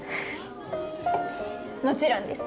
もちろんです